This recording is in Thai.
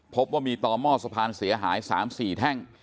พบว่ามีต่อเมาสภาษณ์เสียหาย๓๔แท่ง